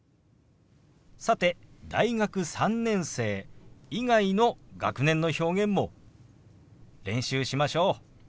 さて大学３年生以外の学年の表現も練習しましょう。